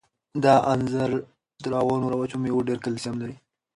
دا انځر تر هغو نورو وچو مېوو ډېر کلسیم لري.